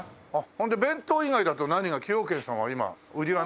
じゃあ弁当以外だと何が崎陽軒さんは今売りは何？